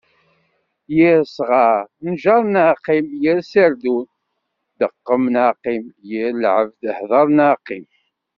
Yir sɣar, njer neɣ qqim. Yir serdun, deqqem neɣ qqim. Yir lɛebd, hder neɣ qqim.